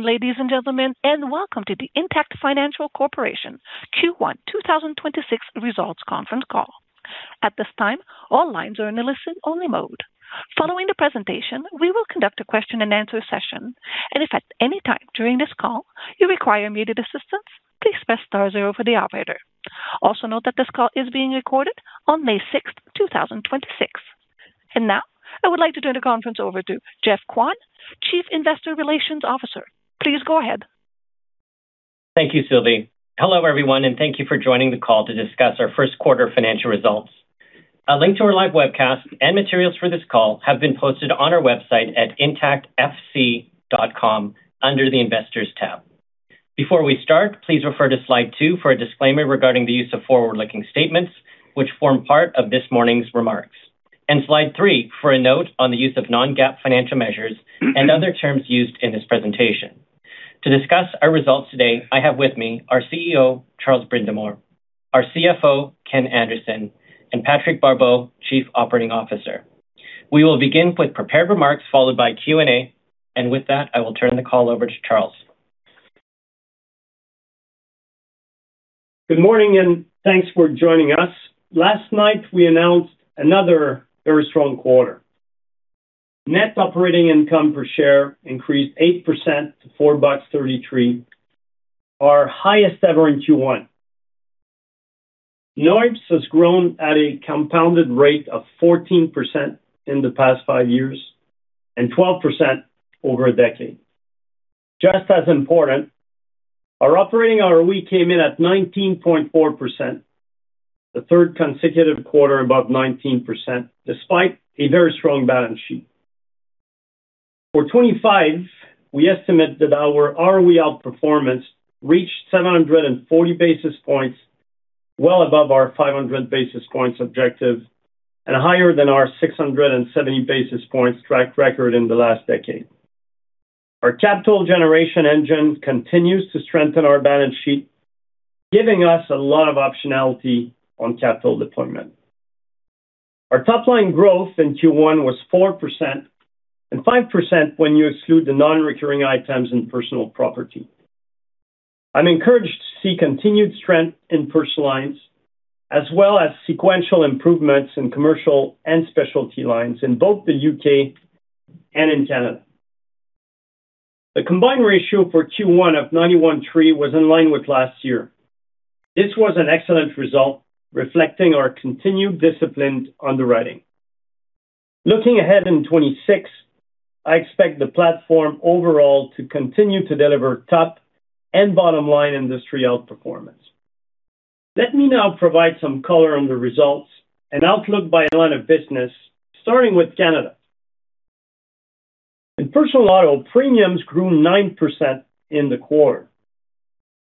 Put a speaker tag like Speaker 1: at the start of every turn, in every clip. Speaker 1: Ladies and gentlemen, welcome to the Intact Financial Corporation Q1 2026 results conference call. At this time, all lines are in a listen-only mode. Following the presentation, we will conduct a question-and-answer session. If at any time during this call you require immediate assistance, please press star zero for the operator. Also note that this call is being recorded on May 6th, 2026. Now I would like to turn the conference over to Geoff Kwan, Chief Investor Relations Officer. Please go ahead.
Speaker 2: Thank you, Sylvie. Hello, everyone, thank you for joining the call to discuss our first quarter financial results. A link to our live webcast and materials for this call have been posted on our website at intactfc.com under the Investors tab. Before we start, please refer to slide two for a disclaimer regarding the use of forward-looking statements, which form part of this morning's remarks. Slide three for a note on the use of non-GAAP financial measures and other terms used in this presentation. To discuss our results today, I have with me our CEO, Charles Brindamour, our CFO, Ken Anderson, and Patrick Barbeau, Chief Operating Officer. We will begin with prepared remarks followed by Q&A. With that, I will turn the call over to Charles.
Speaker 3: Good morning, and thanks for joining us. Last night, we announced another very strong quarter. Net operating income per share increased 8% to 4.33 bucks, our highest ever in Q1.NOIPS has grown at a compounded rate of 14% in the past five years and 12% over 10 years. Just as important, our operating ROE came in at 19.4%, the third consecutive quarter above 19% despite a very strong balance sheet. For 2025, we estimate that our ROE out performance reached 740 basis points, well above our 500 basis points objective and higher than our 670 basis points track record in the last decade. Our capital generation engine continues to strengthen our balance sheet, giving us a lot of optionality on capital deployment. Our top-line growth in Q1 was 4% and 5% when you exclude the non-recurring items in personal property. I'm encouraged to see continued strength in personal lines as well as sequential improvements in commercial and specialty lines in both the U.K. and in Canada. The combined ratio for Q1 of 91.3 was in line with last year. This was an excellent result, reflecting our continued disciplined underwriting. Looking ahead in 2026, I expect the platform overall to continue to deliver top and bottom-line industry out performance. Let me now provide some color on the results and outlook by line of business, starting with Canada. In personal auto, premiums grew 9% in the quarter.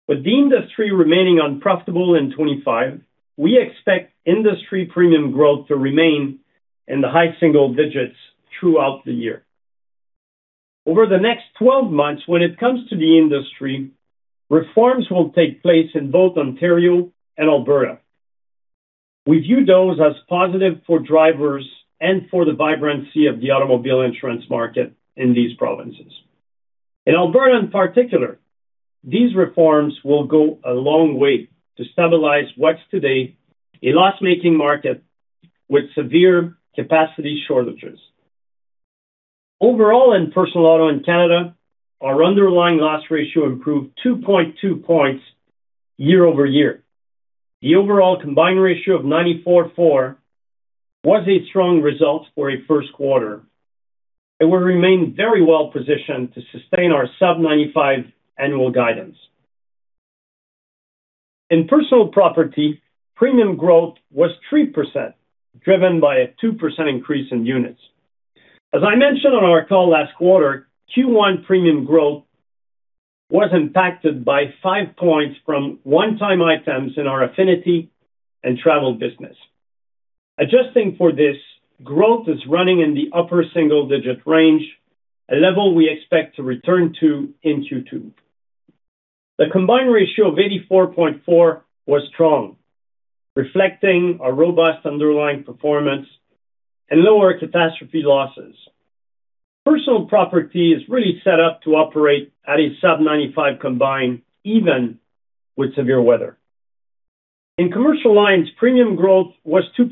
Speaker 3: With the industry remaining unprofitable in 2025, we expect industry premium growth to remain in the high single-digits throughout the year. Over the next 12 months, when it comes to the industry, reforms will take place in both Ontario and Alberta. We view those as positive for drivers and for the vibrancy of the automobile insurance market in these provinces. In Alberta, in particular, these reforms will go a long way to stabilize what's today a loss-making market with severe capacity shortages. Overall, in personal auto in Canada, our underlying loss ratio improved 2.2 points year-over-year. The overall combined ratio of 94.4 was a strong result for a first quarter and will remain very well-positioned to sustain our sub-95 annual guidance. In personal property, premium growth was 3%, driven by a 2% increase in units. As I mentioned on our call last quarter, Q1 premium growth was impacted by five points from one-time items in our affinity and travel business. Adjusting for this, growth is running in the upper single-digit range, a level we expect to return to in Q2. The combined ratio of 84.4 was strong, reflecting our robust underlying performance and lower catastrophe losses. Personal property is really set up to operate at a sub-95 combined even with severe weather. In commercial lines, premium growth was 2%,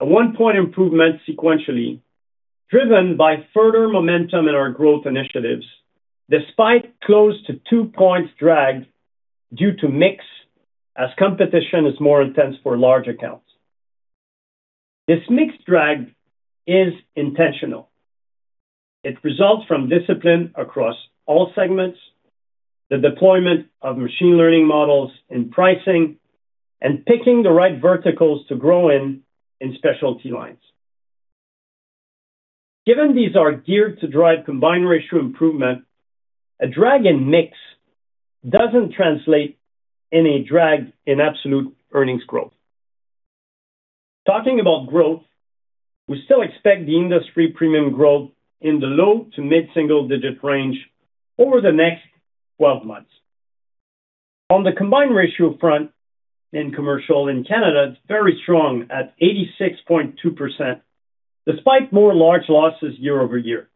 Speaker 3: a one-point improvement sequentially, driven by further momentum in our growth initiatives despite close to two points drag due to mix as competition is more intense for large accounts. This mixed drag is intentional. It results from discipline across all segments, the deployment of machine learning models in pricing, and picking the right verticals to grow in in specialty lines. Given these are geared to drive combined ratio improvement, a drag in mix doesn't translate in a drag in absolute earnings growth. Talking about growth, we still expect the industry premium growth in the low to mid-single-digit range over the next 12 months. On the combined ratio front in commercial in Canada, it's very strong at 86.2% despite more large losses year-over-year.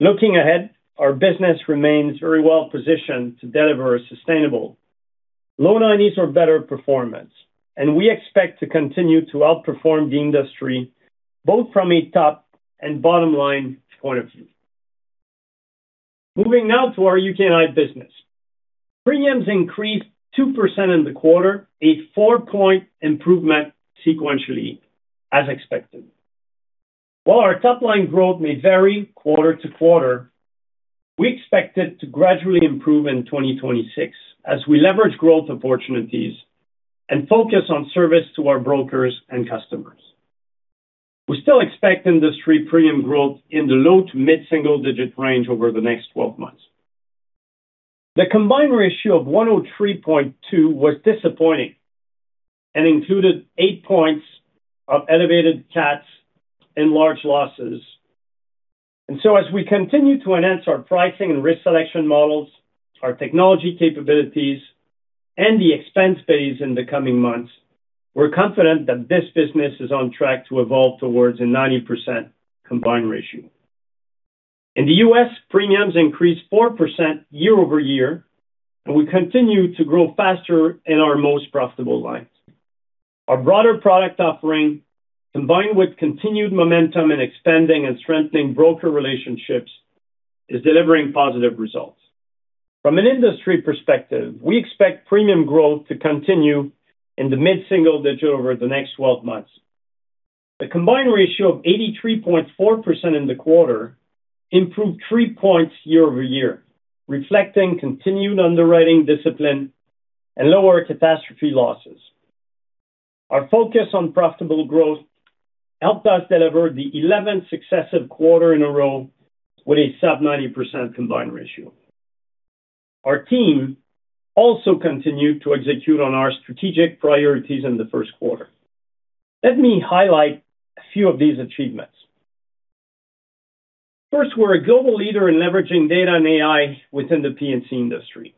Speaker 3: Looking ahead, our business remains very well positioned to deliver a sustainable low nineties or better performance, and we expect to continue to outperform the industry both from a top and bottom line point of view. Moving now to our UKI business. Premiums increased 2% in the quarter, a four-point improvement sequentially as expected. While our top line growth may vary quarter-to-quarter, we expect it to gradually improve in 2026 as we leverage growth opportunities and focus on service to our brokers and customers. We still expect industry premium growth in the low to mid-single-digit range over the next 12 months. The combined ratio of 103.2 was disappointing and included 8 points of elevated cats and large losses. As we continue to enhance our pricing and risk selection models, our technology capabilities, and the expense base in the coming months, we're confident that this business is on track to evolve towards a 90% combined ratio. In the U.S., premiums increased 4% year-over-year, we continue to grow faster in our most profitable lines. Our broader product offering, combined with continued momentum in expanding and strengthening broker relationships, is delivering positive results. From an industry perspective, we expect premium growth to continue in the mid-single-digit over the next 12 months. The combined ratio of 83.4% in the quarter improved 3 points year-over-year, reflecting continued underwriting discipline and lower catastrophe losses. Our focus on profitable growth helped us deliver the 11th successive quarter in a row with a sub 90% combined ratio. Our team also continued to execute on our strategic priorities in the first quarter. Let me highlight a few of these achievements. First, we're a global leader in leveraging data and AI within the P&C industry.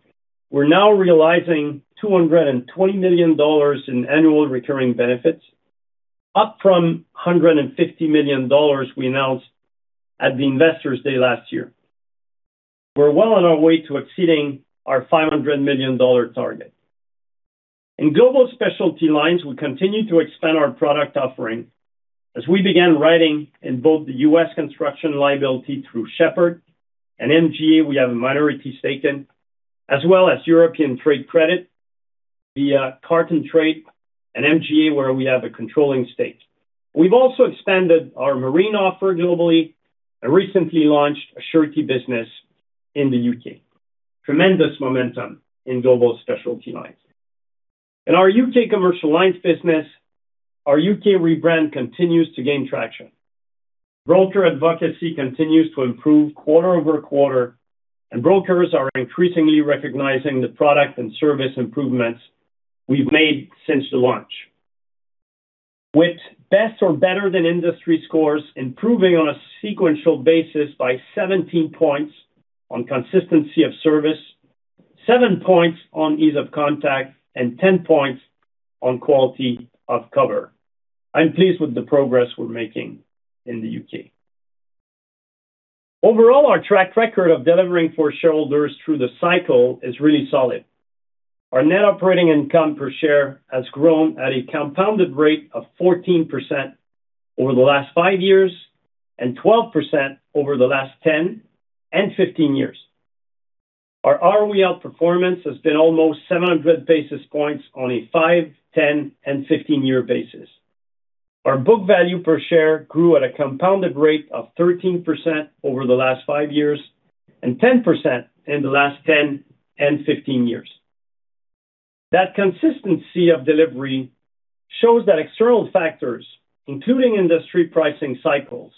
Speaker 3: We're now realizing 220 million dollars in annual recurring benefits, up from 150 million dollars we announced at the Investors Day last year. We're well on our way to exceeding our 500 million dollar target. In global specialty lines, we continue to expand our product offering as we began writing in both the U.S. construction liability through Shepherd and MGA, we have a minority stake in, as well as European trade credit via Cartan Trade and MGA, where we have a controlling stake. We've also expanded our marine offer globally and recently launched a surety business in the U.K. Tremendous momentum in global specialty lines. In our U.K. commercial lines business, our U.K. rebrand continues to gain traction. Broker advocacy continues to improve quarter-over-quarter, and brokers are increasingly recognizing the product and service improvements we've made since the launch. With best or better than industry scores improving on a sequential basis by 17 points on consistency of service, seven points on ease of contact, and 10 points on quality of cover. I'm pleased with the progress we're making in the U.K. Overall, our track record of delivering for shareholders through the cycle is really solid. Our net operating income per share has grown at a compounded rate of 14% over the last five years and 12% over the last 10 and 15 years. Our ROE out performance has been almost 700 basis points on a five, 10, and 15 year basis. Our book value per share grew at a compounded rate of 13% over the last five years and 10% in the last 10 and 15 years. That consistency of delivery shows that external factors, including industry pricing cycles,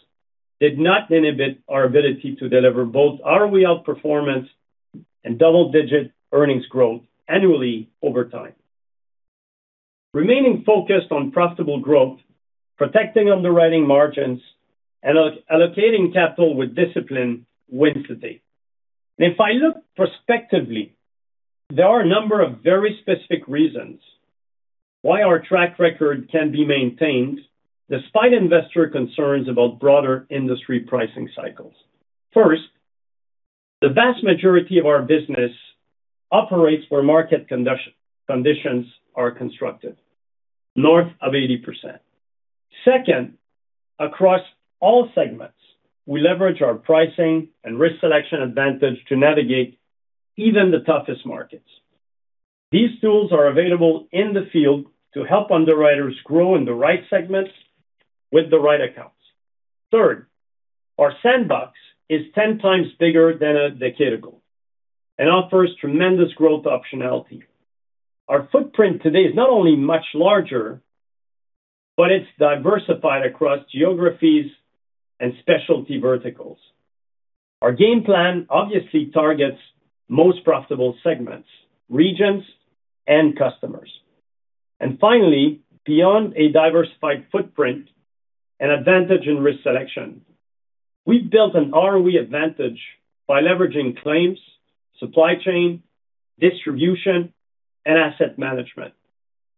Speaker 3: did not inhibit our ability to deliver both ROE out performance and double-digit earnings growth annually over time. Remaining focused on profitable growth, protecting underwriting margins, and allocating capital with discipline wins the day. If I look prospectively, there are a number of very specific reasons why our track record can be maintained despite investor concerns about broader industry pricing cycles. First, the vast majority of our business operates where market conditions are constructive, north of 80%. Second, across all segments, we leverage our pricing and risk selection advantage to navigate even the toughest markets. These tools are available in the field to help underwriters grow in the right segments with the right accounts. Third, our sandbox is 10x bigger than a decade ago and offers tremendous growth optionality. Our footprint today is not only much larger, but it's diversified across geographies and specialty verticals. Our game plan obviously targets most profitable segments, regions, and customers. Finally, beyond a diversified footprint and advantage in risk selection, we've built an ROE advantage by leveraging claims, supply chain, distribution, and asset management.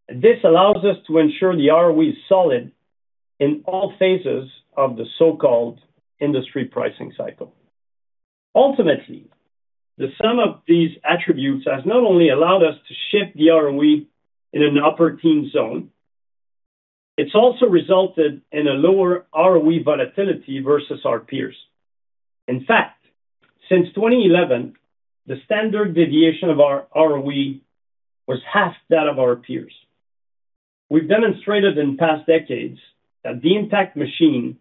Speaker 3: This allows us to ensure the ROE is solid in all phases of the so-called industry pricing cycle. Ultimately, the sum of these attributes has not only allowed us to shift the ROE in an opportune zone, it's also resulted in a lower ROE volatility versus our peers. In fact, since 2011, the standard deviation of our ROE was half that of our peers. We've demonstrated in past decades that the Intact machine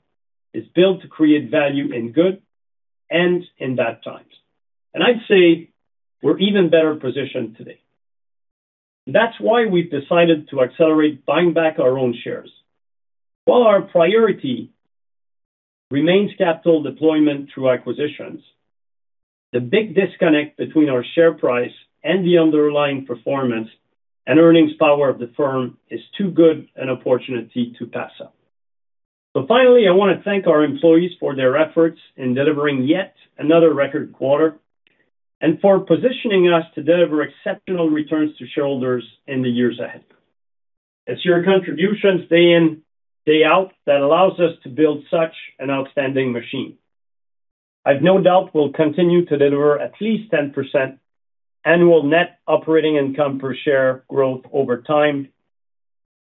Speaker 3: is built to create value in good and in bad times. I'd say we're even better positioned today. That's why we've decided to accelerate buying back our own shares. While our priority remains capital deployment through acquisitions, the big disconnect between our share price and the underlying performance and earnings power of the firm is too good an opportunity to pass up. Finally, I wanna thank our employees for their efforts in delivering yet another record quarter and for positioning us to deliver exceptional returns to shareholders in the years ahead. It's your contributions day in, day out that allows us to build such an outstanding machine. I've no doubt we'll continue to deliver at least 10% annual net operating income per share growth over time,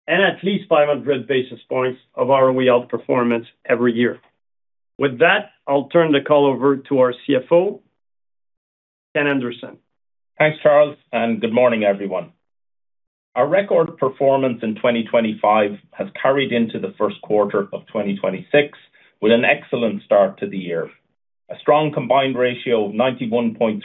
Speaker 3: and at least 500 basis points of ROE out performance every year. With that, I'll turn the call over to our CFO, Ken Anderson.
Speaker 4: Thanks, Charles. Good morning, everyone. Our record performance in 2025 has carried into the first quarter of 2026 with an excellent start to the year. A strong combined ratio of 91.3%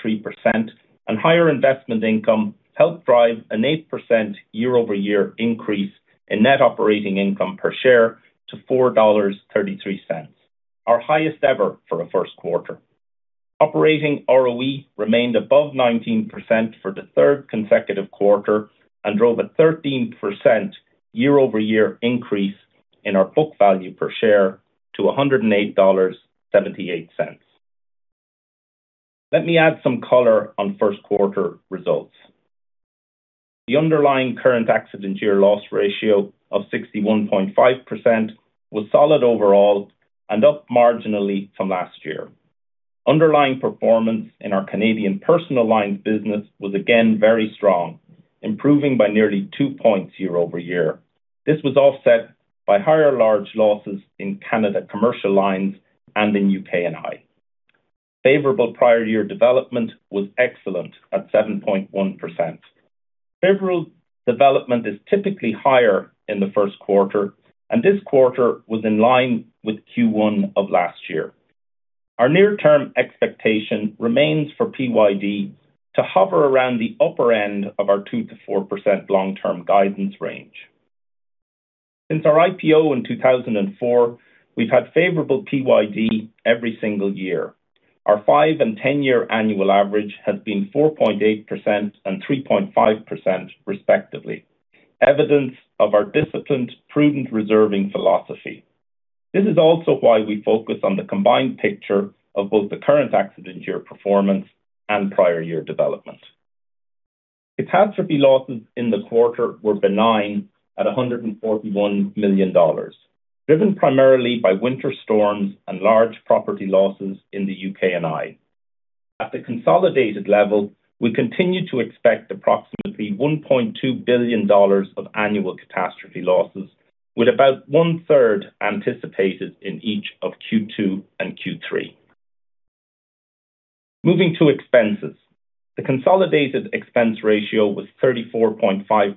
Speaker 4: and higher investment income helped drive an 8% year-over-year increase in net operating income per share to 4.33 dollars, our highest ever for a first quarter. Operating ROE remained above 19% for the third consecutive quarter and drove a 13% year-over-year increase in our book value per share to 108.78 dollars. Let me add some color on first quarter results. The underlying current accident year loss ratio of 61.5% was solid overall and up marginally from last year. Underlying performance in our Canadian personal lines business was again very strong, improving by nearly two points year-over-year. This was offset by higher large losses in Canada commercial lines and in UKI. Favorable prior year development was excellent at 7.1%. Favorable development is typically higher in the first quarter. This quarter was in line with Q1 of last year. Our near-term expectation remains for PYD to hover around the upper end of our 2%-4% long-term guidance range. Since our IPO in 2004, we've had favorable PYD every single year. Our five and 10 year annual average has been 4.8% and 3.5% respectively, evidence of our disciplined, prudent reserving philosophy. This is also why we focus on the combined picture of both the current accident year performance and prior year development. Catastrophe losses in the quarter were benign at 141 million dollars, driven primarily by winter storms and large property losses in the U.K. and I. At the consolidated level, we continue to expect approximately 1.2 billion dollars of annual catastrophe losses, with about one third anticipated in each of Q2 and Q3. Moving to expenses. The consolidated expense ratio was 34.5%,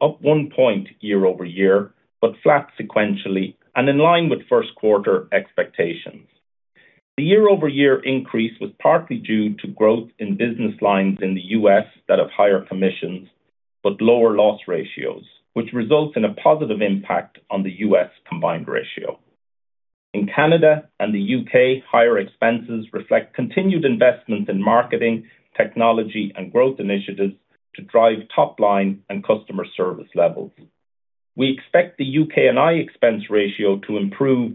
Speaker 4: up onepoint year-over-year but flat sequentially and in line with first quarter expectations. The year-over-year increase was partly due to growth in business lines in the U.S. that have higher commissions but lower loss ratios, which results in a positive impact on the U.S. combined ratio. In Canada and the U.K., higher expenses reflect continued investments in marketing, technology, and growth initiatives to drive top line and customer service levels. We expect the UKI expense ratio to improve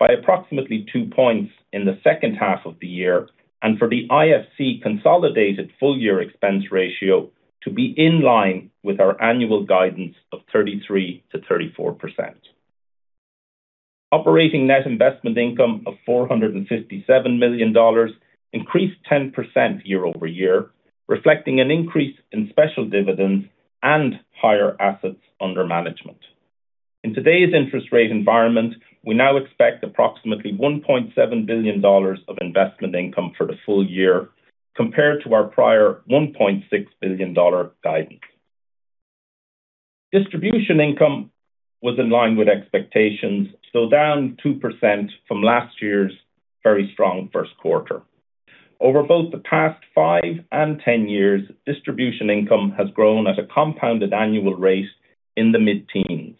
Speaker 4: by approximately two points in the second half of the year and for the IFC consolidated full-year expense ratio to be in line with our annual guidance of 33%-34%. Operating net investment income of 457 million dollars increased 10% year-over-year, reflecting an increase in special dividends and higher assets under management. In today's interest rate environment, we now expect approximately 1.7 billion dollars of investment income for the full-year compared to our prior 1.6 billion dollar guidance. Distribution income was in line with expectations, so down 2% from last year's very strong first quarter. Over both the past five and 10 years, distribution income has grown at a compounded annual rate in the mid-teens.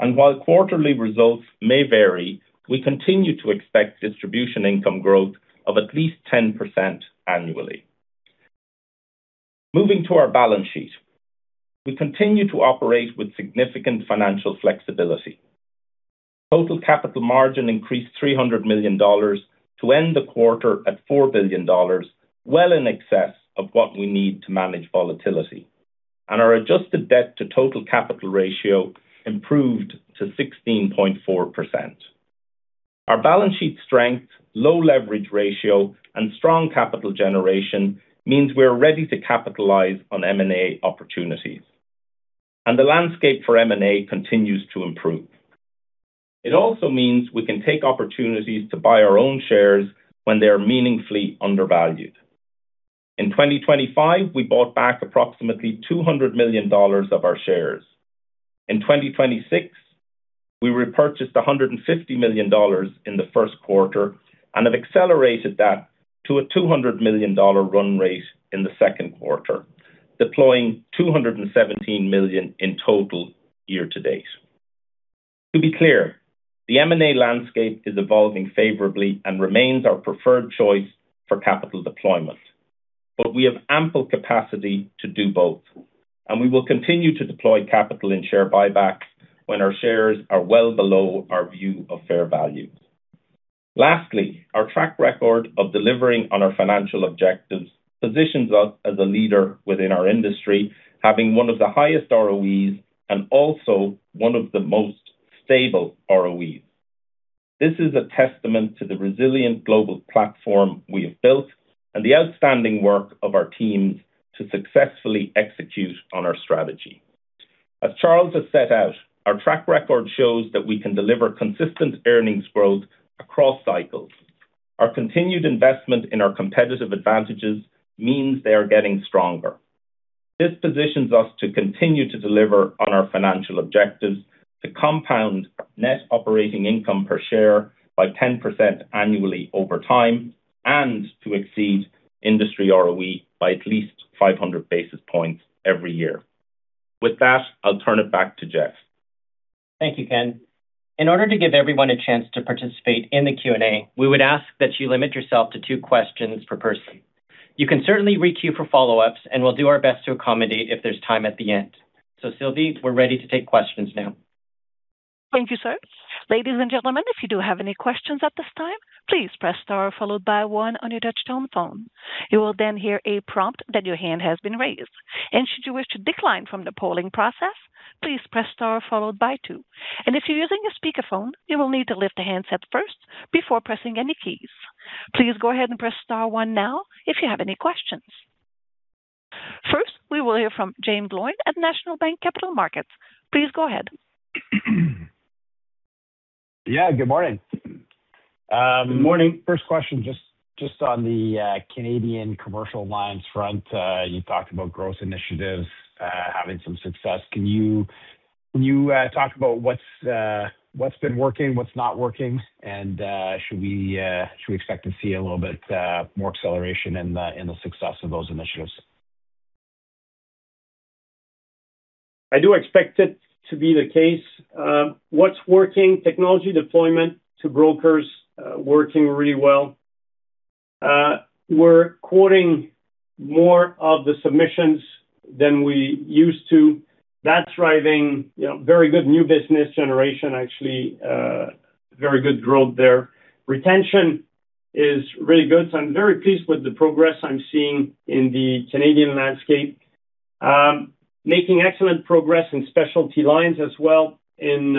Speaker 4: While quarterly results may vary, we continue to expect distribution income growth of at least 10% annually. Moving to our balance sheet. We continue to operate with significant financial flexibility. Total capital margin increased 300 million dollars to end the quarter at 4 billion dollars, well in excess of what we need to manage volatility. Our adjusted debt to total capital ratio improved to 16.4%. Our balance sheet strength, low leverage ratio, and strong capital generation means we are ready to capitalize on M&A opportunities. The landscape for M&A continues to improve. It also means we can take opportunities to buy our own shares when they are meaningfully undervalued. In 2025, we bought back approximately 200 million dollars of our shares. In 2026, we repurchased 150 million dollars in the first quarter and have accelerated that to a 200 million dollar run rate in the second quarter, deploying 217 million in total year-to-date. To be clear, the M&A landscape is evolving favorably and remains our preferred choice for capital deployment. We have ample capacity to do both, and we will continue to deploy capital in share buybacks when our shares are well below our view of fair value. Lastly, our track record of delivering on our financial objectives positions us as a leader within our industry, having one of the highest ROEs and also one of the most stable ROEs. This is a testament to the resilient global platform we have built and the outstanding work of our teams to successfully execute on our strategy. As Charles has set out, our track record shows that we can deliver consistent earnings growth across cycles. Our continued investment in our competitive advantages means they are getting stronger. This positions us to continue to deliver on our financial objectives to compound net operating income per share by 10% annually over time, and to exceed industry ROE by at least 500 basis points every year. With that, I'll turn it back to Geoff.
Speaker 2: Thank you, Ken. In order to give everyone a chance to participate in the Q&A, we would ask that you limit yourself to two questions per person. You can certainly re-queue for follow-ups, we'll do our best to accommodate if there's time at the end. Sylvie, we're ready to take questions now.
Speaker 1: Thank you, sir. Ladies and gentlemen, if you do have any questions at this time, please press star followed by one on your touch-tone phone. You will then hear a prompt that your hand has been raised. Should you wish to decline from the polling process, please press star followed by two. If you're using a speakerphone, you will need to lift the handset first before pressing any keys. Please go ahead and press star one now if you have any questions. First, we will hear from Jaeme Gloyn at National Bank Capital Markets. Please go ahead.
Speaker 5: Yeah, good morning.
Speaker 4: Good morning.
Speaker 5: First question, just on the Canadian commercial alliance front. You talked about growth initiatives having some success. Can you talk about what's been working, what's not working, and should we expect to see a little bit more acceleration in the success of those initiatives?
Speaker 3: I do expect it to be the case. What's working, technology deployment to brokers, working really well. We're quoting more of the submissions than we used to. That's driving, you know, very good new business generation actually, very good growth there. Retention is really good, so I'm very pleased with the progress I'm seeing in the Canadian landscape. Making excellent progress in specialty lines as well in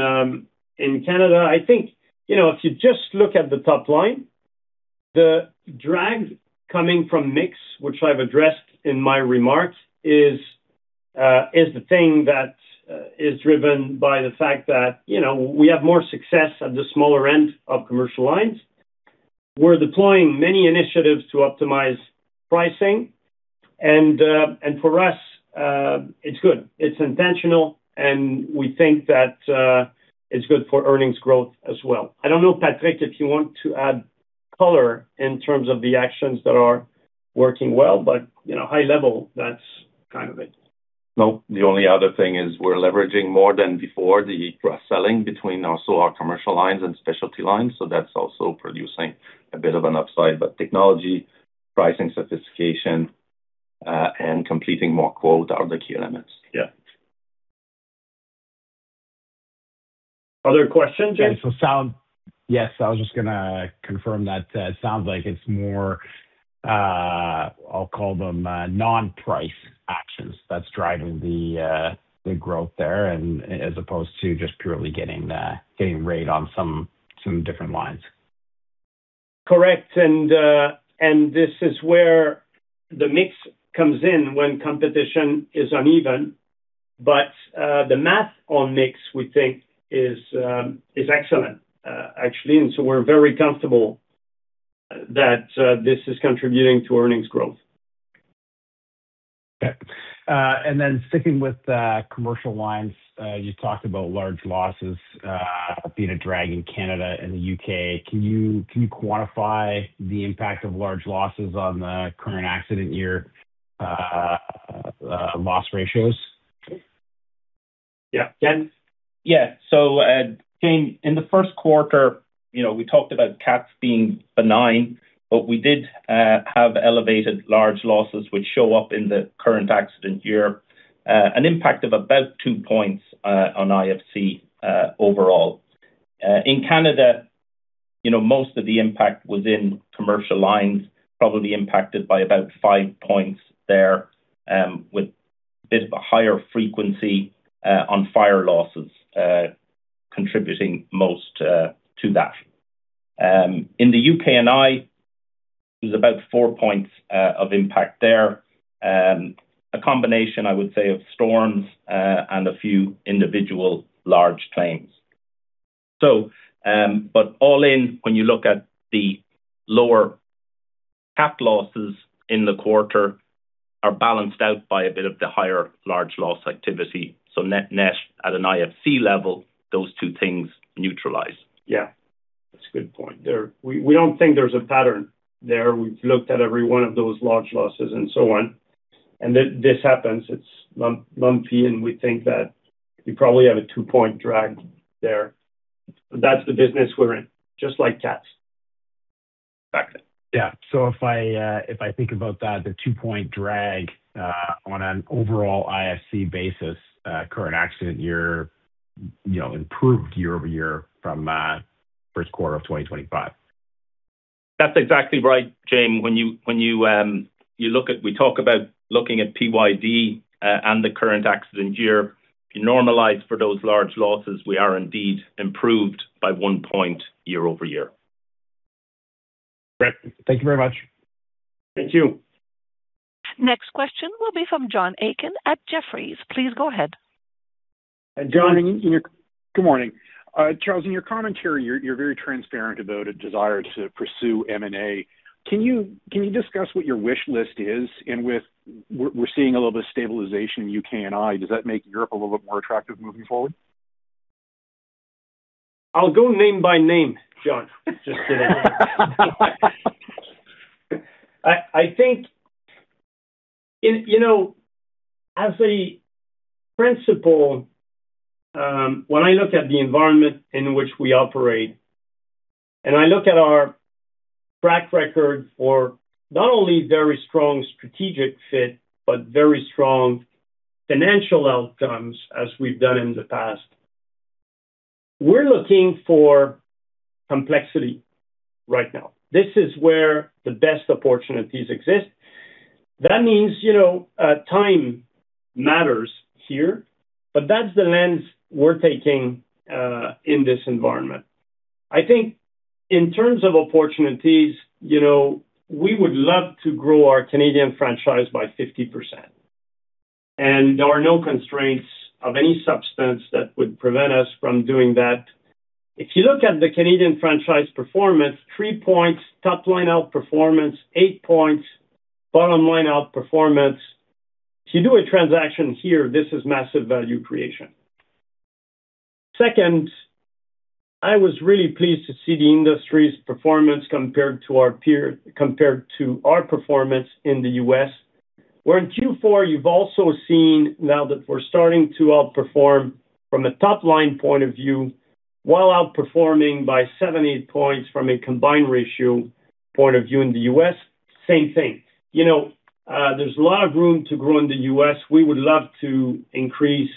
Speaker 3: Canada. I think, you know, if you just look at the top line, the drag coming from mix, which I've addressed in my remarks, is the thing that is driven by the fact that, you know, we have more success at the smaller end of commercial lines. We're deploying many initiatives to optimize pricing. For us, it's good. It's intentional, and we think that, it's good for earnings growth as well. I don't know, Patrick, if you want to add color in terms of the actions that are working well. You know, high level, that's kind of it.
Speaker 6: The only other thing is we're leveraging more than before the cross-selling between also our commercial lines and specialty lines, so that's also producing a bit of an upside. Technology, pricing sophistication, and completing more quotes are the key elements.
Speaker 3: Yeah. Other questions or-
Speaker 5: Yes, I was just gonna confirm that. It sounds like it's more, I'll call them, non-price actions that's driving the growth there and as opposed to just purely getting rate on some different lines.
Speaker 3: Correct. This is where the mix comes in when competition is uneven. The math on mix, we think, is excellent, actually. We're very comfortable that this is contributing to earnings growth.
Speaker 5: Okay. Sticking with commercial lines. You talked about large losses being a drag in Canada and the U.K. Can you quantify the impact of large losses on the current accident year loss ratios?
Speaker 3: Yeah.Ken?
Speaker 4: Yeah. Jaeme, in the first quarter, you know, we talked about cats being benign, but we did have elevated large losses which show up in the current accident year. An impact of about two points on IFC overall. In Canada, you know, most of the impact was in commercial lines, probably impacted by about five points there, with a bit of a higher frequency on fire losses contributing most to that. In the UKI, it was about four points of impact there. A combination, I would say, of storms and a few individual large claims. All in, when you look at the lower cat losses in the quarter are balanced out by a bit of the higher large loss activity. Net net, at an IFC level, those two things neutralize.
Speaker 3: Yeah. That's a good point. We don't think there's a pattern there. We've looked at every one of those large losses and so on, and this happens. It's lumpy, and we think that you probably have a two-point drag there. That's the business we're in, just like cats. Back to you.
Speaker 5: Yeah. If I, if I think about that, the two-point drag, on an overall IFC basis, current accident year, you know, improved year-over-year from, first quarter of 2025.
Speaker 4: That's exactly right, Jaeme. We talk about looking at PYD and the current accident year. If you normalize for those large losses, we are indeed improved by one point year-over-year.
Speaker 5: Great. Thank you very much.
Speaker 3: Thank you.
Speaker 1: Next question will be from John Aiken at Jefferies. Please go ahead.
Speaker 7: John, Good morning. Charles, in your commentary, you're very transparent about a desire to pursue M&A. Can you discuss what your wish list is? We're seeing a little bit of stabilization in UKI. Does that make Europe a little bit more attractive moving forward?
Speaker 3: I'll go name by name, John. Just kidding. I think, you know, as a principle, when I look at the environment in which we operate, and I look at our track record for not only very strong strategic fit, but very strong financial outcomes as we've done in the past, we're looking for complexity right now. This is where the best opportunities exist. That means, you know, time matters here, but that's the lens we're taking in this environment. I think in terms of opportunities, you know, we would love to grow our Canadian franchise by 50%, and there are no constraints of any substance that would prevent us from doing that. If you look at the Canadian franchise performance, three points top line outperformance, eight points bottom line outperformance. If you do a transaction here, this is massive value creation. Second, I was really pleased to see the industry's performance compared to our performance in the U.S., where in Q4, you've also seen now that we're starting to outperform from a top-line point of view while outperforming by 70 points from a combined ratio point of view in the U.S. Same thing. You know, there's a lot of room to grow in the U.S. We would love to increase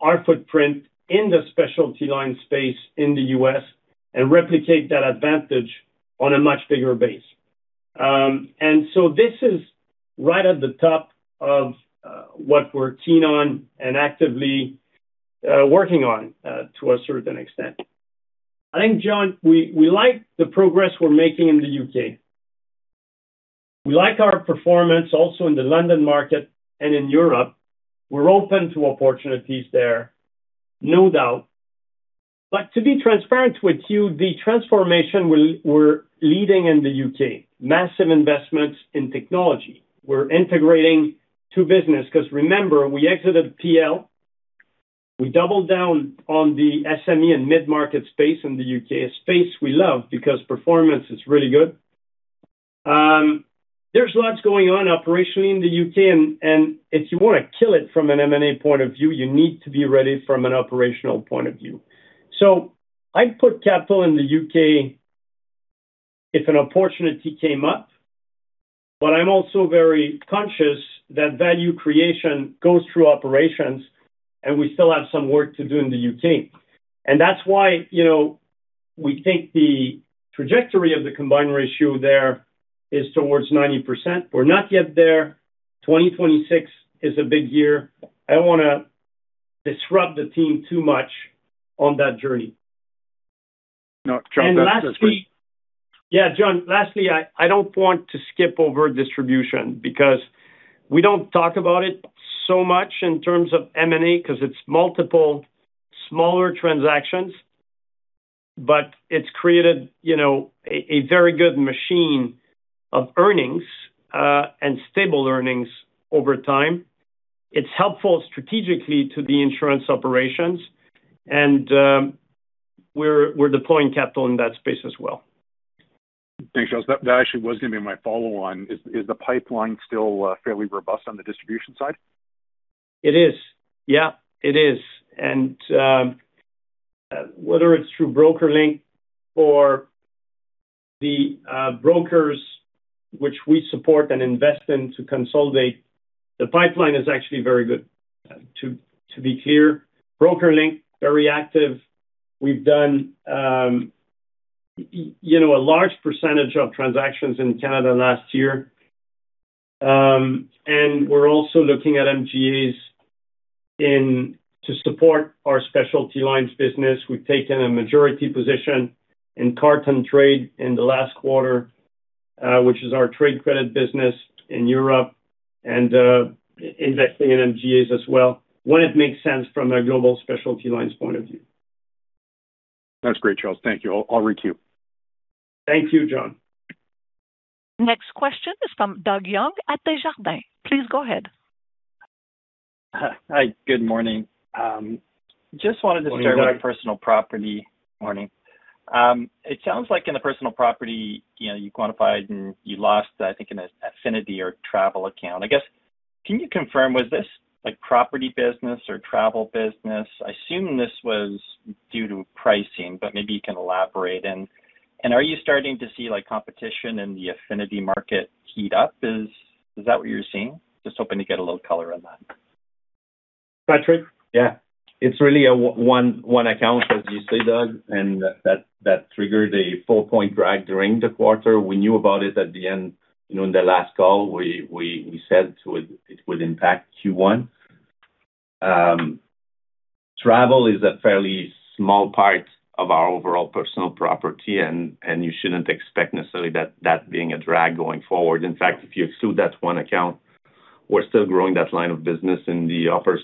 Speaker 3: our footprint in the specialty line space in the U.S. and replicate that advantage on a much bigger base. This is right at the top of what we're keen on and actively working on to a certain extent. I think, John, we like the progress we're making in the U.K. We like our performance also in the London market and in Europe. We're open to opportunities there, no doubt. To be transparent with you, the transformation we're leading in the U.K., massive investments in technology. We're integrating two business because remember, we exited PL. We doubled down on the SME and mid-market space in the U.K., a space we love because performance is really good. There's lots going on operationally in the U.K. and if you want to kill it from an M&A point of view, you need to be ready from an operational point of view. I'd put capital in the U.K. if an opportunity came up, but I'm also very conscious that value creation goes through operations, and we still have some work to do in the U.K. That's why, you know, we think the trajectory of the combined ratio there is towards 90%. We're not yet there. 2026 is a big year. I don't wanna disrupt the team too much on that journey.
Speaker 7: No, Charles.
Speaker 3: Lastly, Yeah, John, lastly, I don't want to skip over distribution because we don't talk about it so much in terms of M&A because it's multiple smaller transactions, but it's created, you know, a very good machine of earnings, and stable earnings over time. It's helpful strategically to the insurance operations and, we're deploying capital in that space as well.
Speaker 7: Thanks, Charles. That actually was gonna be my follow on. Is the pipeline still fairly robust on the distribution side?
Speaker 3: It is. Yeah, it is. Whether it's through BrokerLink or the brokers which we support and invest in to consolidate, the pipeline is actually very good. To be clear, BrokerLink, very active. We've done, you know, a large percentage of transactions in Canada last year. We're also looking at MGAs to support our specialty lines business. We've taken a majority position in Cartan Trade in the last quarter, which is our trade credit business in Europe and investing in MGAs as well when it makes sense from a global specialty lines point of view.
Speaker 7: That's great, Charles. Thank you. I'll reach you.
Speaker 3: Thank you, John.
Speaker 1: Next question is from Doug Young at Desjardins. Please go ahead.
Speaker 8: Hi, good morning.
Speaker 3: Morning, Doug.
Speaker 8: Start with personal property. Morning. It sounds like in the personal property, you know, you quantified and you lost, I think in affinity or travel account. I guess, can you confirm, was this like property business or travel business? I assume this was due to pricing, but maybe you can elaborate. Are you starting to see like competition in the affinity market heat up? Is that what you're seeing? Just hoping to get a little color on that.
Speaker 3: Patrick?
Speaker 6: Yeah. It's really a one account, as you say, Doug, that triggered a four-point drag during the quarter. We knew about it at the end. You know, in the last call, we said it would impact Q1. Travel is a fairly small part of our overall personal property, and you shouldn't expect necessarily that being a drag going forward. In fact, if you exclude that one account, we're still growing that line of business in the upper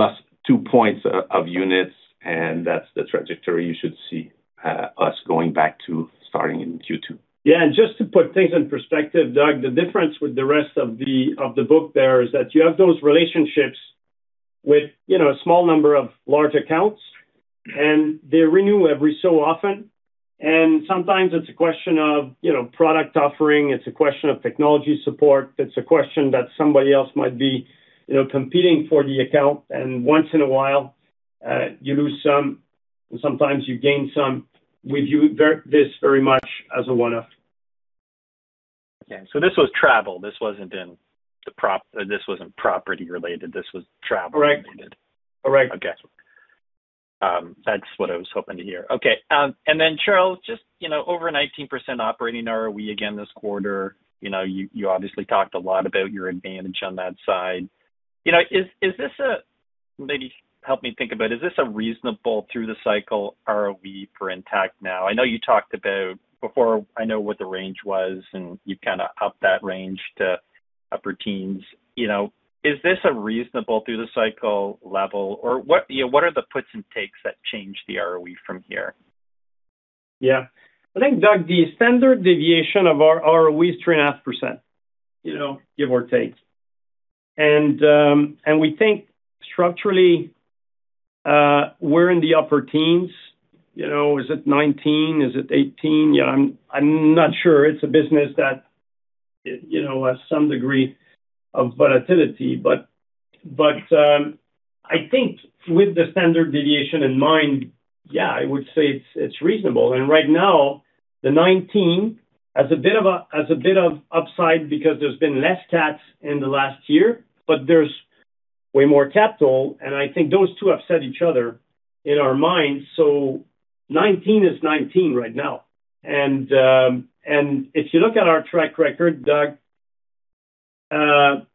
Speaker 6: single-digit +2 points of units, and that's the trajectory you should see us going back to starting in Q2.
Speaker 3: Yeah. Just to put things in perspective, Doug, the difference with the rest of the book there is that you have those relationships with, you know, a small number of large accounts, and they renew every so often. Sometimes it's a question of, you know, product offering. It's a question of technology support. It's a question that somebody else might be, you know, competing for the account. Once in a while, you lose some, and sometimes you gain some. We view this very much as a one-off.
Speaker 8: This was travel. This wasn't property related. This was travel related.
Speaker 3: Correct. Correct.
Speaker 8: Okay. That's what I was hoping to hear. Okay, Charles, just, you know, over 19% operating ROE again this quarter. You know, you obviously talked a lot about your advantage on that side. You know, is this a? Maybe help me think about it. Is this a reasonable through the cycle ROE for Intact now? I know you talked about before I know what the range was, and you kinda upped that range to upper teens. You know, is this a reasonable through the cycle level? What, you know, what are the puts and takes that change the ROE from here?
Speaker 3: Yeah. I think, Doug, the standard deviation of our ROE is 3.5%, you know, give or take. We think structurally, we're in the upper teens. You know, is it 19? Is it 18? You know, I'm not sure. It's a business that, you know, has some degree of volatility. I think with the standard deviation in mind, yeah, I would say it's reasonable. Right now, the 19 has a bit of upside because there's been less cats in the last year, but there's way more capital, and I think those two offset each other in our minds. 19 is 19 right now. If you look at our track record, Doug, our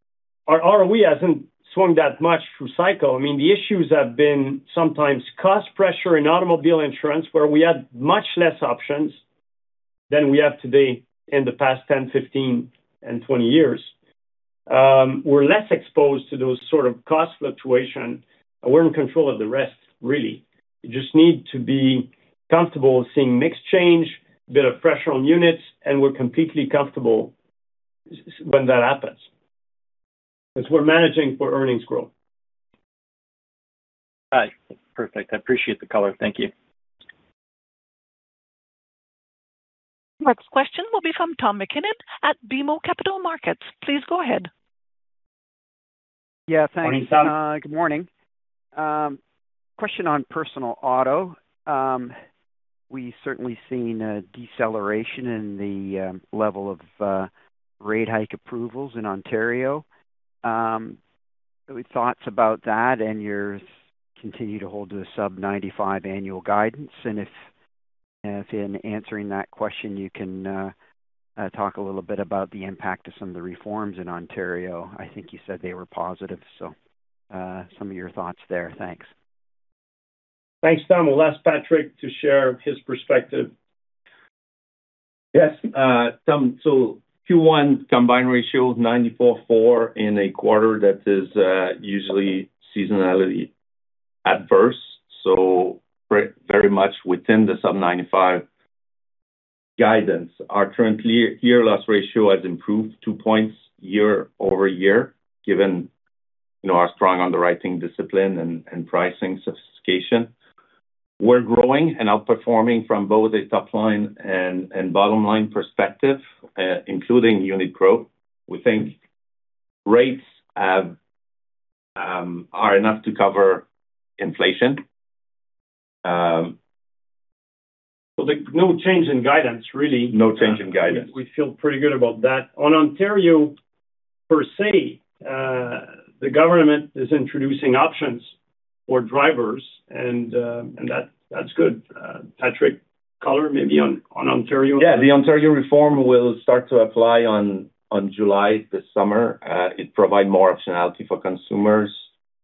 Speaker 3: ROE hasn't swung that much through cycle. I mean, the issues have been sometimes cost pressure in automobile insurance, where we had much less options than we have today in the past 10, 15, and 20 years. We're less exposed to those sort of cost fluctuation. We're in control of the rest, really. You just need to be comfortable seeing mix change, bit of pressure on units, and we're completely comfortable when that happens 'cause we're managing for earnings growth.
Speaker 8: All right. Perfect. I appreciate the color. Thank you.
Speaker 1: Next question will be from Tom MacKinnon at BMO Capital Markets. Please go ahead.
Speaker 9: Yeah. Thanks.
Speaker 3: Morning, Tom.
Speaker 9: Good morning. Question on personal auto. We certainly seen a deceleration in the level of rate hike approvals in Ontario. Your thoughts about that, and you're continue to hold to the sub 95 annual guidance. If, if in answering that question, you can talk a little bit about the impact of some of the reforms in Ontario. I think you said they were positive. Some of your thoughts there. Thanks.
Speaker 3: Thanks, Tom. I'll ask Patrick to share his perspective.
Speaker 6: Yes, Tom. Q1 combined ratio 94.4 in a quarter that is usually seasonality adverse, very much within the sub 95 guidance. Our current year loss ratio has improved two points year-over-year, given you know, our strong underwriting discipline and pricing sophistication. We're growing and outperforming from both a top line and bottom line perspective, including unit growth. We think rates have are enough to cover inflation.
Speaker 3: The no change in guidance really.
Speaker 6: No change in guidance.
Speaker 3: We feel pretty good about that. On Ontario per se, the government is introducing options for drivers and that's good. Patrick, color maybe on Ontario.
Speaker 6: Yeah. The Ontario reform will start to apply on July this summer. It provide more optionality for consumers.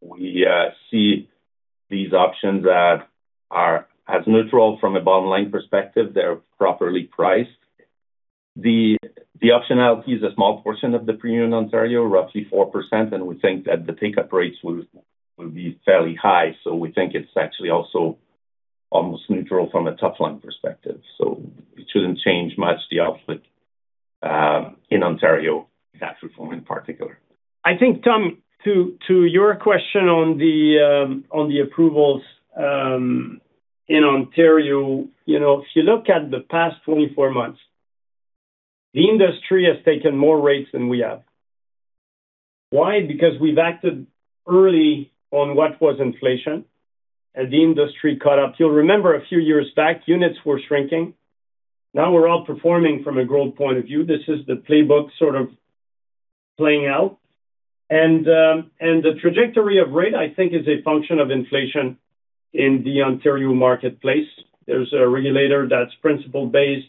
Speaker 6: We see these options that are as neutral from a bottom line perspective. They're properly priced. The optionality is a small portion of the premium in Ontario, roughly 4%, and we think that the take-up rates will be fairly high. We think it's actually also almost neutral from a top line perspective, so it shouldn't change much the outlook in Ontario, that reform in particular.
Speaker 3: I think, Tom, to your question on the approvals in Ontario, you know, if you look at the past 24 months, the industry has taken more rates than we have. Why? Because we've acted early on what was inflation, the industry caught up. You'll remember a few years back, units were shrinking. Now we're outperforming from a growth point of view. This is the playbook sort of playing out. The trajectory of rate, I think, is a function of inflation in the Ontario marketplace. There's a regulator that's principle-based,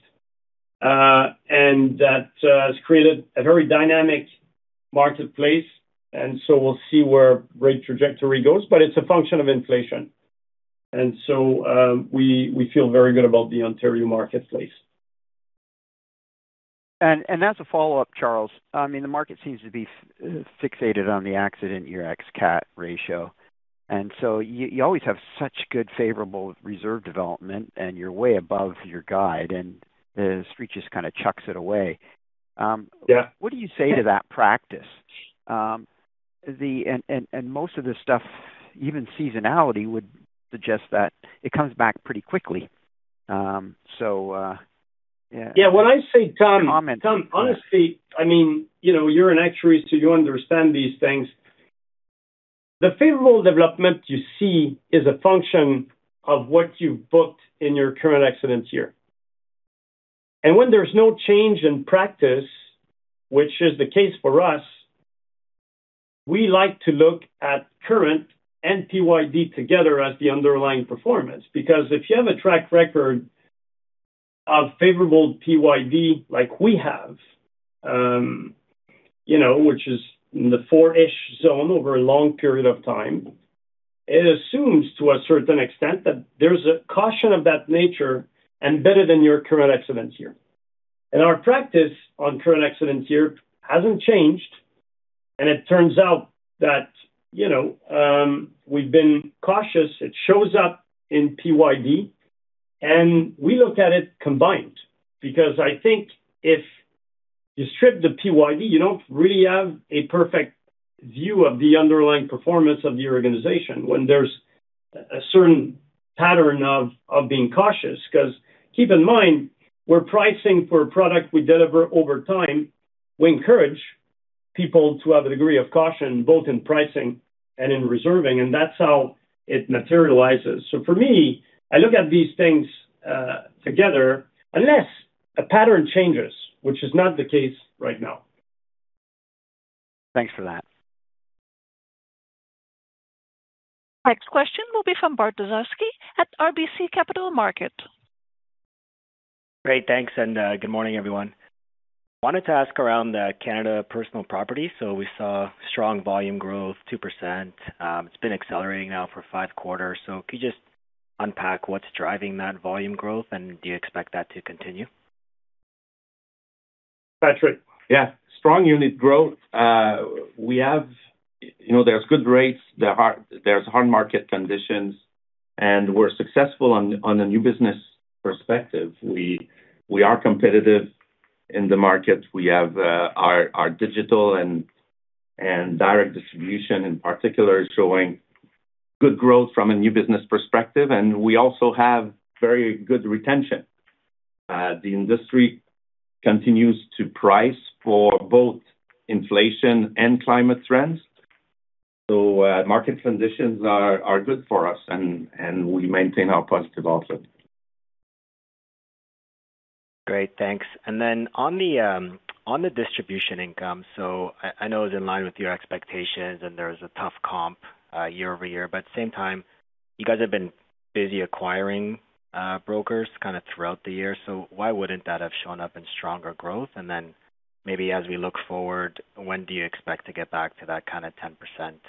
Speaker 3: that has created a very dynamic marketplace, we'll see where rate trajectory goes, it's a function of inflation. We feel very good about the Ontario marketplace.
Speaker 9: As a follow-up, Charles, I mean, the market seems to be fixated on the accident year ex cat ratio. You always have such good favorable reserve development, and you're way above your guide, and the Street just kind of chucks it away.
Speaker 3: Yeah
Speaker 9: What do you say to that practice? Most of this stuff, even seasonality would suggest that it comes back pretty quickly. Yeah.
Speaker 3: Yeah. What I say, Tom.
Speaker 9: Comment, yeah.
Speaker 3: Tom, honestly, I mean, you know, you're an actuary, so you understand these things. The favorable development you see is a function of what you've booked in your current accidents year. When there's no change in practice, which is the case for us, we like to look at current and PYD together as the underlying performance. If you have a track record of favorable PYD like we have, you know, which is in the four-ish zone over a long period of time, it assumes to a certain extent that there's a caution of that nature embedded in your current accidents year. Our practice on current accidents year hasn't changed, and it turns out that, you know, we've been cautious. It shows up in PYD. We look at it combined because I think if you strip the PYD, you don't really have a perfect view of the underlying performance of the organization when there's a certain pattern of being cautious. 'Cause keep in mind, we're pricing for a product we deliver over time. We encourage people to have a degree of caution, both in pricing and in reserving, and that's how it materializes. For me, I look at these things together unless a pattern changes, which is not the case right now.
Speaker 9: Thanks for that.
Speaker 1: Next question will be from Bart Dziarski at RBC Capital Markets.
Speaker 10: Great. Thanks, good morning, everyone. Wanted to ask around the Canada personal property. We saw strong volume growth, 2%. It's been accelerating now for five quarters. Could you just unpack what's driving that volume growth, and do you expect that to continue?
Speaker 3: Patrick.
Speaker 6: Yeah. Strong unit growth. You know, there's good rates. There's hard market conditions, and we're successful on a new business perspective. We are competitive in the market. We have our digital and direct distribution in particular is showing good growth from a new business perspective, and we also have very good retention. The industry continues to price for both inflation and climate trends. Market conditions are good for us and we maintain our positive outlook.
Speaker 10: Great. Thanks. On the distribution income. I know it's in line with your expectations, and there was a tough comp year-over-year. At the same time, you guys have been busy acquiring kinda brokers throughout the year. Why wouldn't that have shown up in stronger growth? Maybe as we look forward, when do you expect to get back to that kinda 10%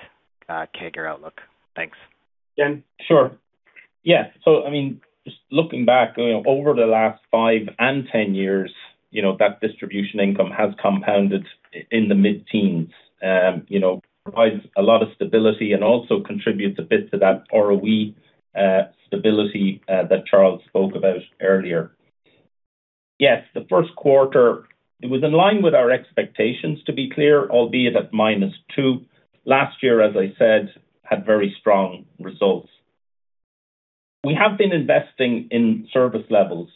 Speaker 10: CAGR outlook? Thanks.
Speaker 4: Bart, sure. Yeah. I mean, just looking back, you know, over the last five and 10 years, you know, that distribution income has compounded in the mid-teens. You know, provides a lot of stability and also contributes a bit to that ROE stability that Charles spoke about earlier. Yes, the first quarter, it was in line with our expectations, to be clear, albeit at -2. Last year, as I said, had very strong results. We have been investing in service levels,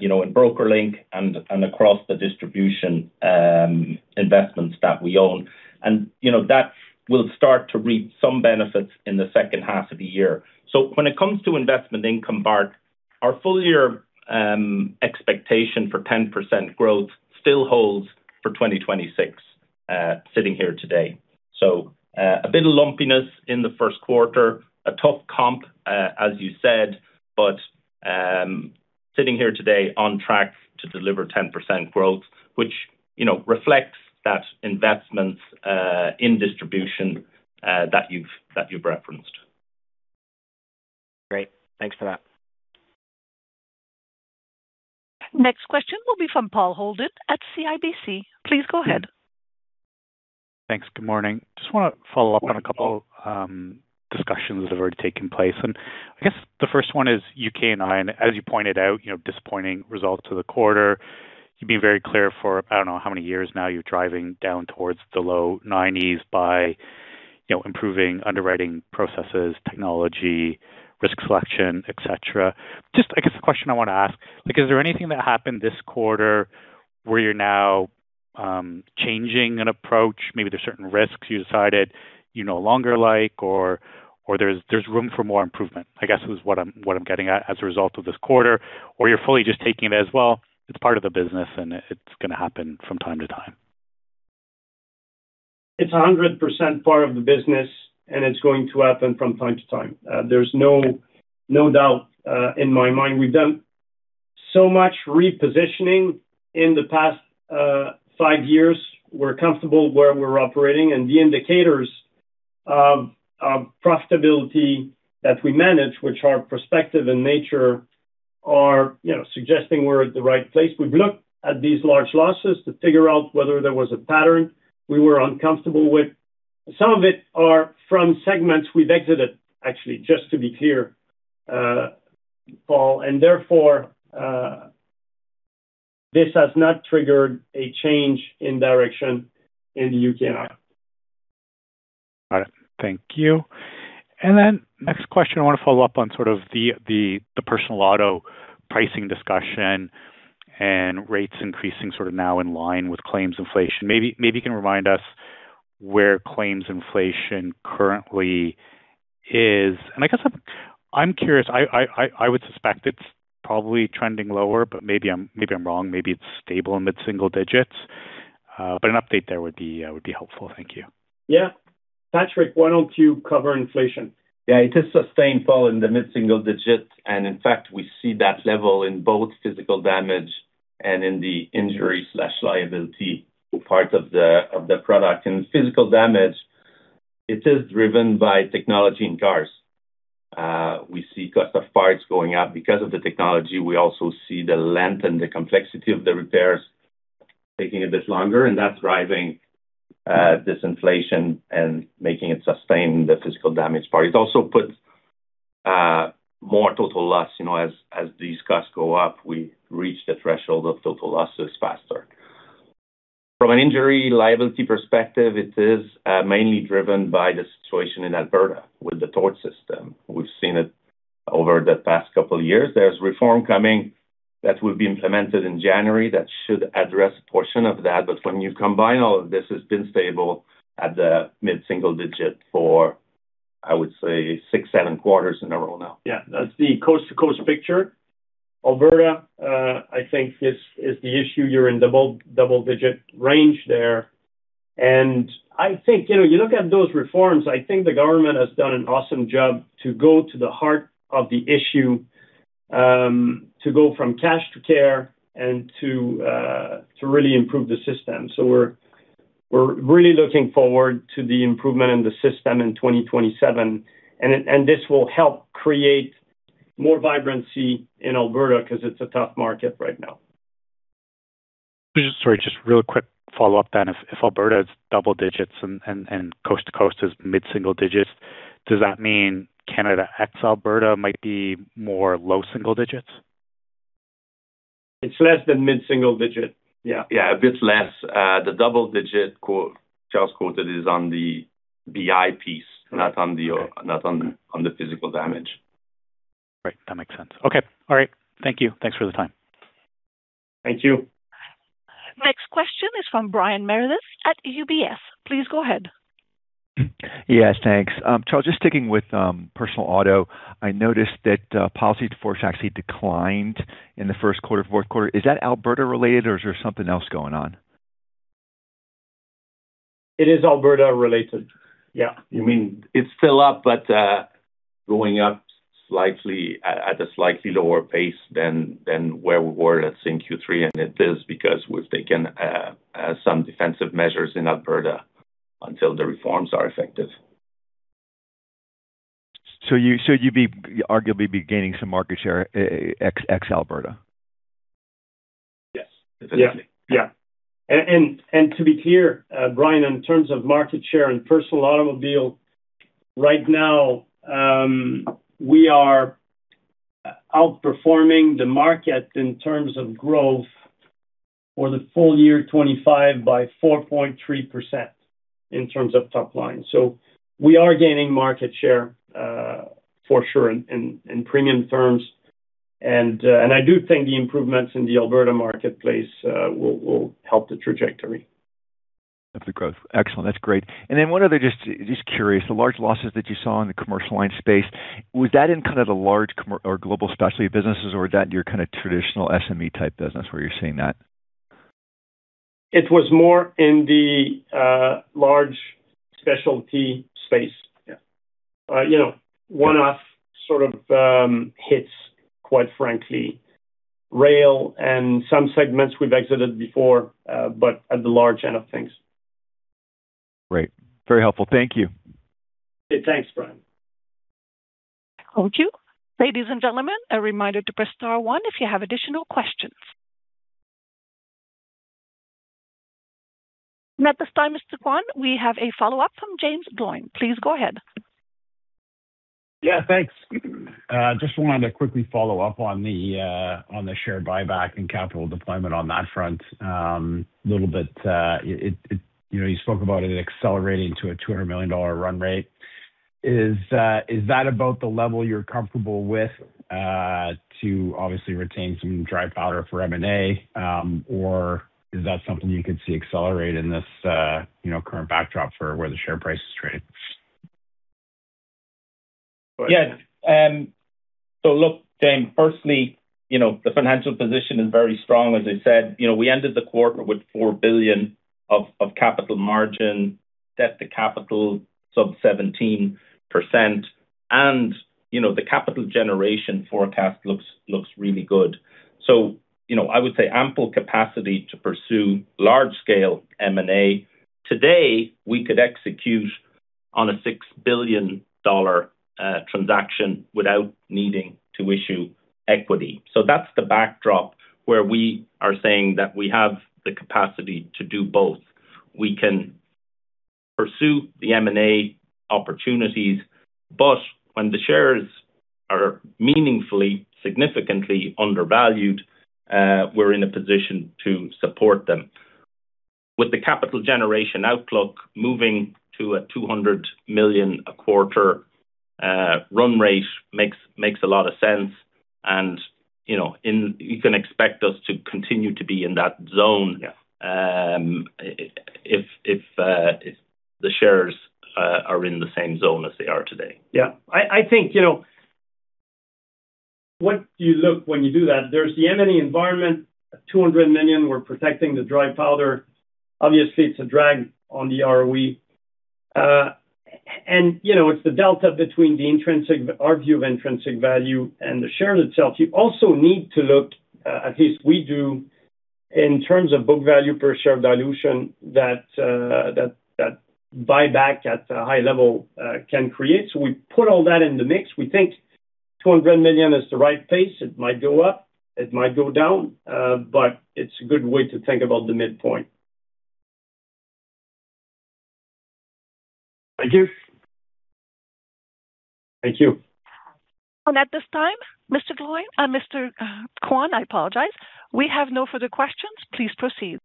Speaker 4: you know, in BrokerLink and across the distribution, investments that we own. You know, that will start to reap some benefits in the second half of the year. When it comes to investment income, Bart, our full-year expectation for 10% growth still holds for 2026, sitting here today. A bit of lumpiness in the first quarter, a tough comp, as you said, but sitting here today on track to deliver 10% growth, which, you know, reflects that investment in distribution that you've referenced.
Speaker 10: Great. Thanks for that.
Speaker 1: Next question will be from Paul Holden at CIBC. Please go ahead.
Speaker 11: Thanks. Good morning. Just want to follow up on a couple discussions that have already taken place. I guess the first one is UKI. As you pointed out, you know, disappointing results for the quarter. You've been very clear for I don't know how many years now you're driving down towards the low 90s by, you know, improving underwriting processes, technology, risk selection, et cetera. Just I guess the question I want to ask. Like, is there anything that happened this quarter where you're now changing an approach? Maybe there's certain risks you decided you no longer like or there's room for more improvement, I guess is what I'm getting at as a result of this quarter. Or you're fully just taking it as, well, it's part of the business and it's going to happen from time to time.
Speaker 3: It's a 100% part of the business, and it's going to happen from time to time. There's no doubt in my mind. We've done so much repositioning in the past, five years. We're comfortable where we're operating. The indicators of profitability that we manage, which are prospective in nature are, you know, suggesting we're at the right place. We've looked at these large losses to figure out whether there was a pattern we were uncomfortable with. Some of it are from segments we've exited, actually, just to be clear, Paul, and therefore, this has not triggered a change in direction in the U.K. and I.
Speaker 11: All right. Thank you. Then next question, I wanna follow up on sort of the personal auto pricing discussion and rates increasing sort of now in line with claims inflation. Maybe you can remind us where claims inflation currently is. I guess I'm curious, I would suspect it's probably trending lower, but maybe I'm wrong. Maybe it's stable in mid-single-digits. An update there would be helpful. Thank you.
Speaker 3: Yeah. Patrick, why don't you cover inflation?
Speaker 6: Yeah. It is sustained, Paul, in the mid-single-digits. In fact, we see that level in both physical damage and in the injury/liability part of the product. In physical damage, it is driven by technology in cars. We see cost of parts going up because of the technology. We also see the length and the complexity of the repairs taking a bit longer, and that's driving this inflation and making it sustain the physical damage part. It also puts more total loss. You know, as these costs go up, we reach the threshold of total losses faster. From an injury liability perspective, it is mainly driven by the situation in Alberta with the tort system. We've seen it over the past couple of years. There's reform coming that will be implemented in January that should address a portion of that. When you combine all of this, it's been stable at the mid-single-digit for, I would say, six, seven quarters in a row now.
Speaker 3: Yeah. That's the coast-to-coast picture. Alberta, I think is the issue. You're in double-digit range there. I think, you know, you look at those reforms, I think the government has done an awesome job to go to the heart of the issue, to go from cash to care and to really improve the system. We're really looking forward to the improvement in the system in 2027. This will help create more vibrancy in Alberta 'cause it's a tough market right now.
Speaker 11: Sorry, just real quick follow-up then. If Alberta is double-digits and coast to coast is mid-single-digits, does that mean Canada ex Alberta might be more low single-digits?
Speaker 3: It's less than mid-single-digit. Yeah.
Speaker 6: Yeah, a bit less. The double-digit quote Charles quoted is on the BI piece, not on the physical damage.
Speaker 11: Great. That makes sense. Okay. All right. Thank you. Thanks for the time.
Speaker 3: Thank you.
Speaker 1: Next question is from Brian Meredith at UBS. Please go ahead.
Speaker 12: Yes, thanks. Charles, just sticking with personal auto. I noticed that policy in force actually declined in the first quarter, fourth quarter. Is that Alberta-related, or is there something else going on?
Speaker 3: It is Alberta-related. Yeah.
Speaker 6: You mean it's still up, but going up slightly at a slightly lower pace than where we were, let's say in Q3. It is because we've taken some defensive measures in Alberta until the reforms are effective.
Speaker 12: You'd be arguably gaining some market share, ex Alberta?
Speaker 6: Yes. Definitely.
Speaker 3: Yeah. Yeah. To be clear, Brian, in terms of market share and personal automobile right now, we are outperforming the market in terms of growth for the full-year 2025 by 4.3% in terms of top line. We are gaining market share, for sure in premium terms. I do think the improvements in the Alberta marketplace will help the trajectory.
Speaker 12: Of the growth. Excellent. That's great. One other just curious, the large losses that you saw in the commercial line space, was that in kind of the large or global specialty businesses or that your kind of traditional SME type business where you're seeing that?
Speaker 3: It was more in the large specialty space. Yeah. You know, one-off sort of, hits quite frankly. Rail and some segments we've exited before, but at the large end of things.
Speaker 12: Great. Very helpful. Thank you.
Speaker 3: Okay. Thanks, Brian.
Speaker 1: Thank you. Ladies and gentlemen, a reminder to press star one if you have additional questions. At this time, Geoff Kwan, we have a follow-up from Jaeme Gloyn. Please go ahead.
Speaker 5: Yeah, thanks. Just wanted to quickly follow up on the share buyback and capital deployment on that front, a little bit. It, you know, you spoke about it accelerating to a 200 million dollar run rate. Is that about the level you're comfortable with, to obviously retain some dry powder for M&A? Is that something you could see accelerate in this, you know, current backdrop for where the share price is trading?
Speaker 4: Yeah. Look, Jaeme, firstly, you know, the financial position is very strong. As I said, you know, we ended the quarter with 4 billion of capital margin, debt to capital sub 17%. You know, the capital generation forecast looks really good. You know, I would say ample capacity to pursue large scale M&A. Today, we could execute on a 6 billion dollar transaction without needing to issue equity. That's the backdrop where we are saying that we have the capacity to do both. We can pursue the M&A opportunities, but when the shares are meaningfully, significantly undervalued, we're in a position to support them. With the capital generation outlook, moving to a 200 million a quarter run rate makes a lot of sense. You know, you can expect us to continue to be in that zone.
Speaker 3: Yeah.
Speaker 4: If the shares are in the same zone as they are today.
Speaker 3: I think, you know, what you look when you do that, there's the M&A environment, 200 million, we're protecting the dry powder. Obviously, it's a drag on the ROE. You know, it's the delta between the intrinsic, our view of intrinsic value and the share itself. You also need to look, at least we do in terms of book value per share dilution that buyback at a high level can create. We put all that in the mix. We think 200 million is the right pace. It might go up, it might go down, it's a good way to think about the midpoint.
Speaker 5: Thank you.
Speaker 4: Thank you.
Speaker 1: At this time, Mr. Gloyn, Geoff Kwan, I apologize. We have no further questions. Please proceed.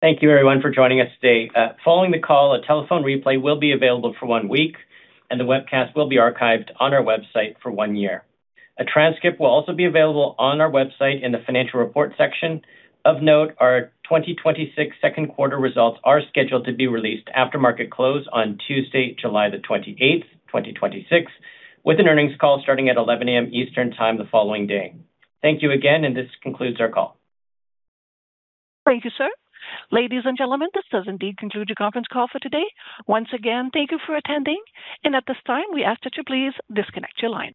Speaker 2: Thank you everyone for joining us today. Following the call, a telephone replay will be available for one week, and the webcast will be archived on our website for one year. A transcript will also be available on our website in the financial report section. Of note, our 2026 second quarter results are scheduled to be released after market close on Tuesday, July the 28th, 2026, with an earnings call starting at 11:00 A.M. Eastern time the following day. Thank you again, and this concludes our call.
Speaker 1: Thank you, sir. Ladies and gentlemen, this does indeed conclude the conference call for today. Once again, thank you for attending. At this time, we ask that you please disconnect your lines.